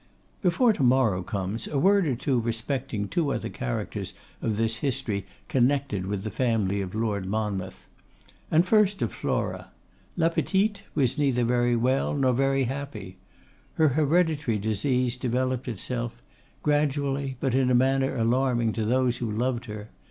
Before to morrow comes, a word or two respecting two other characters of this history connected with the family of Lord Monmouth. And first of Flora. La Petite was neither very well nor very happy. Her hereditary disease developed itself; gradually, but in a manner alarming to those who loved her.